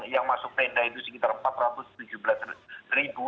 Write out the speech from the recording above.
yang masuk tenda itu sekitar empat ratus tujuh belas ribu